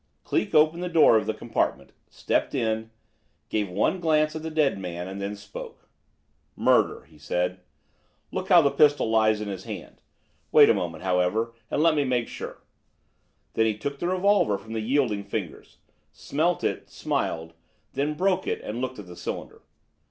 Cleek opened the door of the compartment, stepped in, gave one glance at the dead man, and then spoke. "Murder!" he said. "Look how the pistol lies in his hand. Wait a moment, however, and let me make sure." Then he took the revolver from the yielding fingers, smelt it, smiled, then "broke" it, and looked at the cylinder.